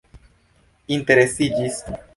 interesiĝis